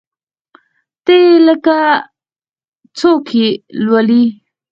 ته یی لیکه څوک یي لولﺉ